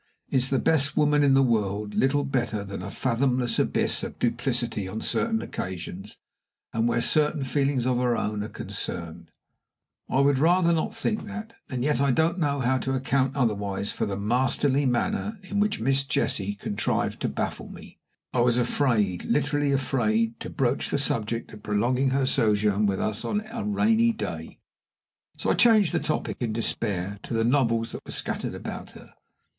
Is the best woman in the world little better than a fathomless abyss of duplicity on certain occasions, and where certain feelings of her own are concerned? I would rather not think that; and yet I don't know how to account otherwise for the masterly manner in which Miss Jessie contrived to baffle me. I was afraid literally afraid to broach the subject of prolonging her sojourn with us on a rainy day, so I changed the topic, in despair, to the novels that were scattered about her.